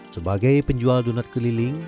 sebagai penjual donat keliling